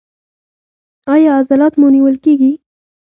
ایا عضلات مو نیول کیږي؟